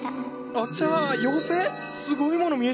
あちゃ妖精⁉すごいもの見えちゃってる？